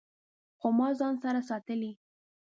خو ما ځان سره ساتلي